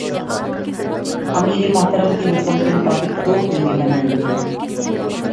امیر محترم کے حکم کے مطابق دو ٹیمیں بنائی گئیں ۔